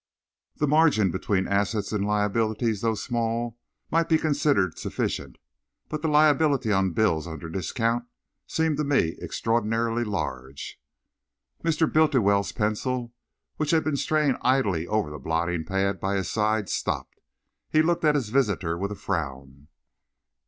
"The margin between assets and liabilities, though small, might be considered sufficient, but the liability on bills under discount seemed to me extraordinarily large." Mr. Bultiwell's pencil, which had been straying idly over the blotting pad by his side, stopped. He looked at his visitor with a frown.